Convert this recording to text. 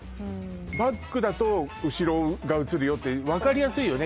「バック」だと後ろが映るよって分かりやすいよね